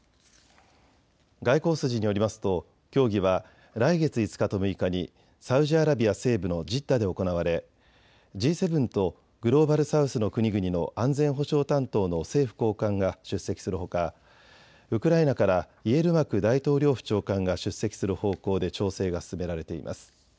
外交筋によりますと協議は来月５日と６日にサウジアラビア西部のジッダで行われ、Ｇ７とグローバル・サウスの国々の安全保障担当の政府高官が出席するほかウクライナからイエルマク大統領府長官が出席する方向で調整が進められています。